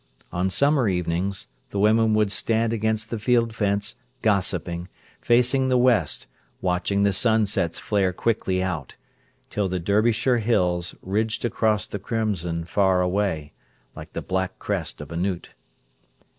On summer evenings the women would stand against the field fence, gossiping, facing the west, watching the sunsets flare quickly out, till the Derbyshire hills ridged across the crimson far away, like the black crest of a newt.